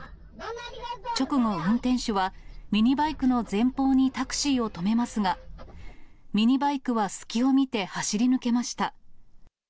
直後、運転手はミニバイクの前方にタクシーを止めますが、ミニバイクは隙を見て走り抜けました。